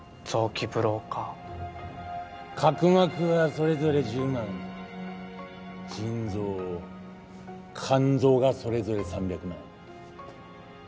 角膜はそれぞれ１０万腎臓肝臓がそれぞれ３００万。